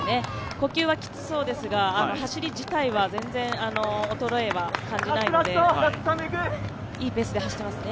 呼吸はきつそうですが、走り自体は全然衰えは感じないので、いいペースで走ってますね。